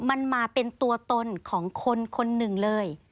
มันมาเป็นตัวตนของคนคนหนึ่งเลย